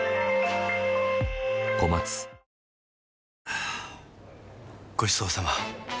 はぁごちそうさま！